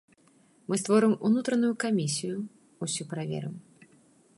Мы створым унутраную камісію, усё праверым.